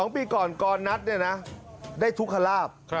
๒ปีก่อนกรณ์นัทเนี่ยนะได้ทุกขลาด